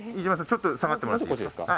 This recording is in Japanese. ちょっと下がってもらっていいですか？